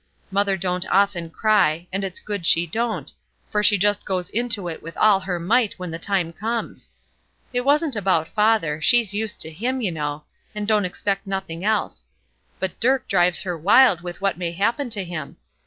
Mother don't often cry, and it's good she don't, for she just goes into it with all her might when the time comes. It wasn't about father she's used to him, you know, and don't expect nothing else; but Dirk drives her wild with what may happen to him.